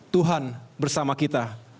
tuhan bersama kita